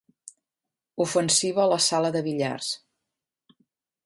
Ofensiva a la sala de billars.